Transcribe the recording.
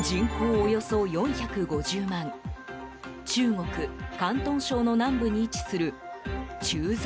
およそ４５０万中国・広東省の南部に位置する中山